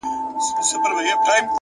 اخلاص د باور بنسټ پیاوړی کوي,